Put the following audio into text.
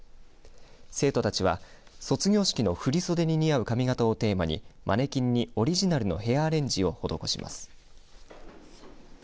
生徒たちは卒業式の振り袖に似合う髪型をテーマにマネキンにオリジナルのヘアアレンジを施します。